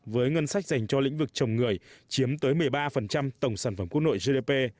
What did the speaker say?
với ngân sách dành cho lĩnh vực chồng người chiếm tới một mươi ba tổng sản phẩm quốc nội gdp